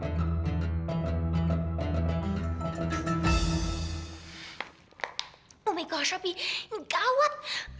aduh cepetan keluar deh cepetan